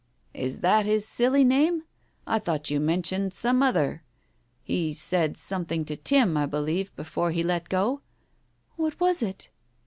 "Is that his silly name? I thought you mentioned some other. He said something to Tim, I believe, before he let go " "What was it?"